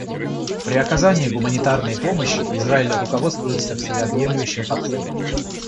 При оказании гуманитарной помощи Израиль руководствуется всеобъемлющим подходом.